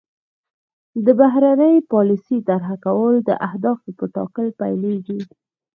د بهرنۍ پالیسۍ طرح کول د اهدافو په ټاکلو پیلیږي